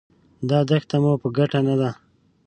دا دښته مو په ګټه نه ده.